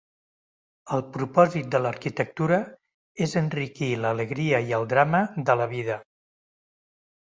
El propòsit de l'arquitectura és enriquir l'alegria i el drama de la vida.